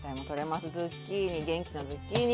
ズッキーニ元気なズッキーニ。